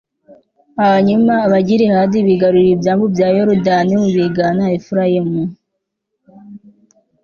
hanyuma abagilihadi bigarurira ibyambu bya yorudani bigana i efurayimu